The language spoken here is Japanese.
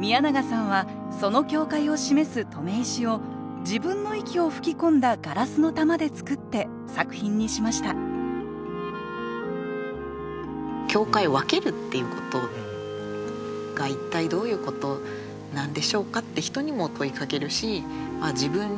宮永さんはその境界を示す留め石を自分の息を吹き込んだガラスの玉で作って作品にしました境界を分けるっていうことが一体どういうことなんでしょうかって人にも問いかけるし自分にもいつだって